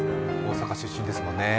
大阪出身ですもんね。